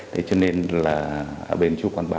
thế cho nên là ở bên chú quản ba